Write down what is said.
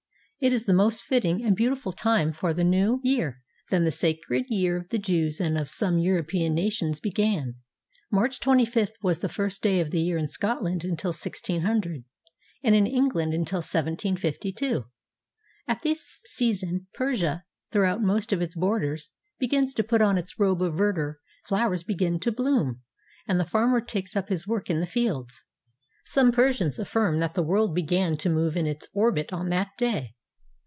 It is the most fitting and beautiful time for the New 430 NEW YEAR'S CALLS AND GIFTS Year. Then the sacred year of the Jews and of some European nations began. March 25th was the first day of the year in Scotland until 1600, and in England until 1752. At this season, Persia, throughout most of its bor ders, begins to put on its robe of verdure, flowers begin to bloom, and the farmer takes up his work in the fields. Some Persians affirm that the world began to move in its orbit on that day.